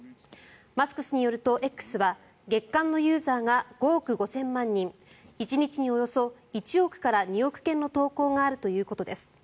マスク氏によるとＸは月間のユーザーが５億５０００万人１日におよそ１億から２億件の投稿があるということです。